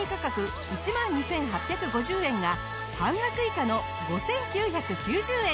１万２８５０円が半額以下の５９９０円。